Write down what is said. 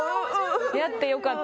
やってよかった。